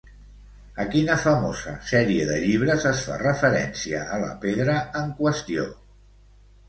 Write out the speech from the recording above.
A quina famosa sèrie de llibres es fa referència a la pedra en qüestió?